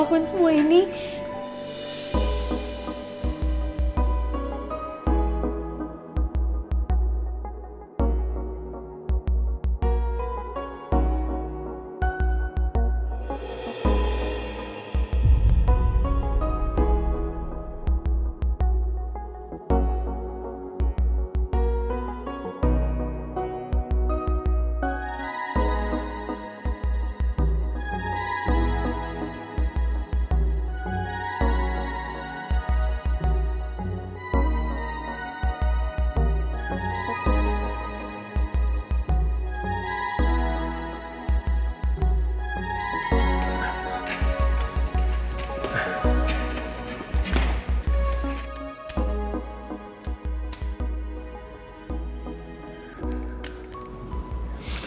waktu berta pun dekat singapura